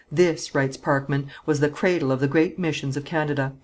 "This," writes Parkman, "was the cradle of the great missions of Canada!"